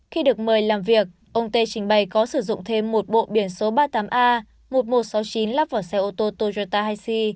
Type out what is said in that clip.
khi được mời làm việc ông tê trình bày có sử dụng thêm một bộ biển số ba mươi tám a một nghìn một trăm sáu mươi chín lắp vào xe ô tô toyota hic